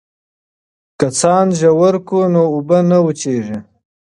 که څاګانې ژورې کړو نو اوبه نه وچېږي.